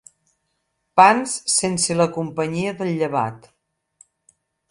Pans sense la companyia del llevat.